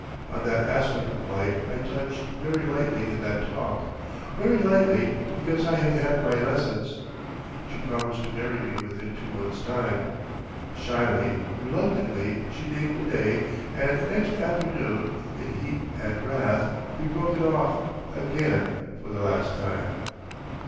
On that aspect of life I touched very lightly in that talk, very lightly because I had had my lessons. She promised to marry me within two months' time. Shyly, reluctantly, she named a day, and next afternoon, in heat and wrath, we "broke it off" again for the last time.